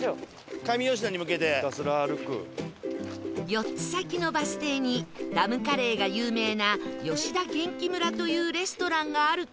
４つ先のバス停にダムカレーが有名な吉田元気村というレストランがあるとの事